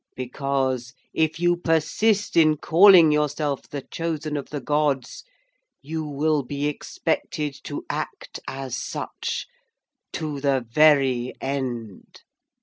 Because if you persist in calling yourself the Chosen of the Gods you will be expected to act as such to the very end.'